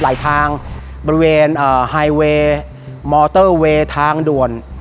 ทางบริเวณไฮเวย์มอเตอร์เวย์ทางด่วน